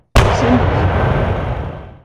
Ser un bàrbar.